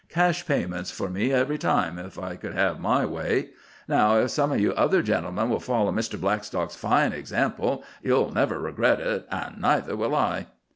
"Cash payments for me every time, if I could have my way. Now, if some o' you other gentlemen will follow Mr. Blackstock's fine example, ye'll never regret it—an' neither will I."